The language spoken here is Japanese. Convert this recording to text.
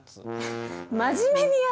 真面目にやって！